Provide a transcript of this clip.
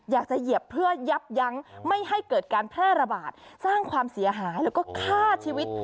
เหยียบเพื่อยับยั้งไม่ให้เกิดการแพร่ระบาดสร้างความเสียหายแล้วก็ฆ่าชีวิต